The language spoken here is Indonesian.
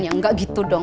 ya gak gitu dong